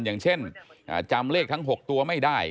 อย่างเช่นจำเลขทั้ง๖ตัวไม่ได้